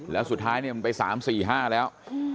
แล้วสุดท้ายเนี่ยมันไป๓๔๕แล้ว